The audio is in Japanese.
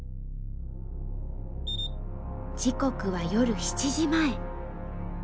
時刻は夜７時前。